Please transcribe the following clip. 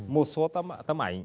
một số tấm ảnh